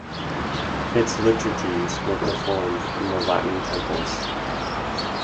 Its liturgies were performed in the Latin temples.